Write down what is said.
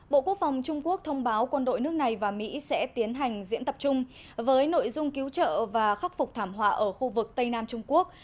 bộ quốc phòng trung quốc thông báo quân đội nước này và mỹ sẽ tiến hành diễn tập chung với nội dung cứu trợ và khắc phục thảm họa ở khu vực tây nam trung quốc